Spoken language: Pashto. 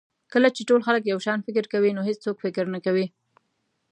کله چې ټول خلک یو شان فکر کوي نو هېڅوک فکر نه کوي.